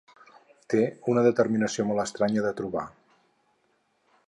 Té una determinació molt estranya de trobar…